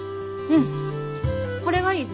うん。